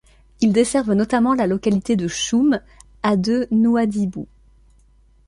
Ils desservent notamment la localité de Choum, à de Nouadhibou.